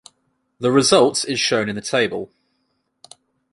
The result is shown in the table.